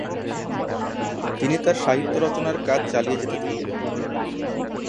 তিনি তার সাহিত্য রচনার কাজ চালিয়ে যেতে থাকেন।